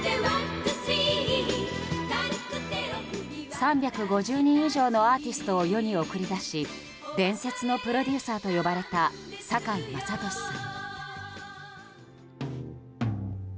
３５０人以上のアーティストを世に送り出し伝説のプロデューサーと呼ばれた酒井政利さん。